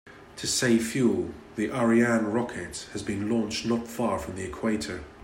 To save fuel, the Ariane rocket has been launched not far from the equator.